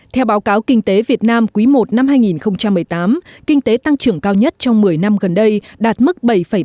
theo báo cáo kinh tế việt nam quý i năm hai nghìn một mươi tám kinh tế tăng trưởng cao nhất trong một mươi năm gần đây đạt mức bảy ba mươi